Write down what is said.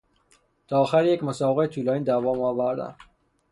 تا آخر یک مسابقهی طولانی دوام آوردن